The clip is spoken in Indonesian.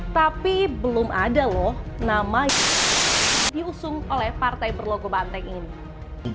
tapi belum ada loh nama yang diusung oleh partai berlogo banteng ini